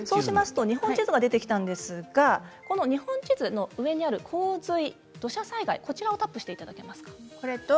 日本地図が出てきたんですが日本地図の上にある「洪水」「土砂災害」をタップしていただけますか？